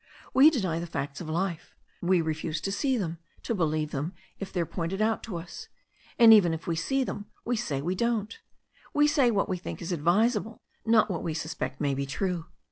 We deny the facts of life. We refuse to see them, to believe them if they are pointed out to us. And even if we see them, we say we don't. We say what we think is advisable, not what we sus pect may be true.